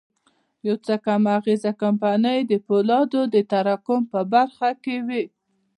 يو څو کم اغېزه کمپنۍ د پولادو د تراکم په برخه کې وې.